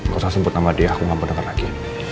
kau saksikan sama dia aku gak pedekat lagi